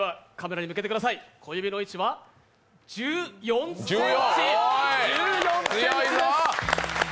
小指の位置は１４ｃｍ！